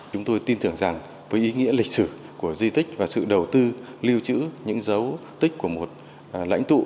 chúng tôi tin tưởng rằng với ý nghĩa lịch sử của di tích và sự đầu tư lưu trữ những dấu tích của một lãnh tụ